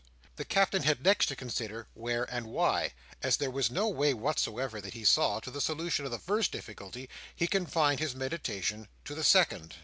The Captain had next to consider where and why? and as there was no way whatsoever that he saw to the solution of the first difficulty, he confined his meditations to the second.